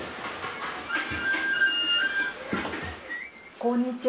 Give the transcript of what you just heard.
こんにちは。